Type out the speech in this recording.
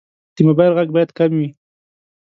د موبایل غږ باید کم وي.